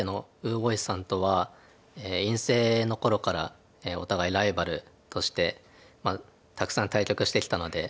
柏毅さんとは院生の頃からお互いライバルとしてたくさん対局してきたので。